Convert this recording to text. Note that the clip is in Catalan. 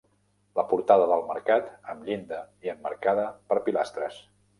La Portada del mercat, amb llinda, i emmarcada per pilastres.